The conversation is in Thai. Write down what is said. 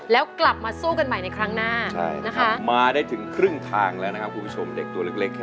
แล้วกลับมาสู้กันใหม่ในครั้งหน้านะคะใช่ค่ะมาได้ถึงครึ่งทางแล้วนะครับคุณผู้ชมเด็กตัวเล็กแค่นี้นะครับ